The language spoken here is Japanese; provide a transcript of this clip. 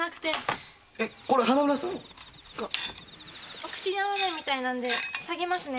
お口に合わないみたいなんで下げますね。